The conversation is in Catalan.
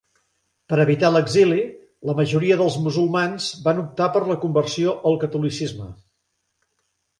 Per evitar l'exili, la majoria dels musulmans van optar per la conversió al catolicisme.